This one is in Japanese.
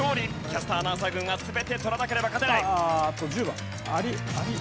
キャスター・アナウンサー軍は全て取らなければ勝てない。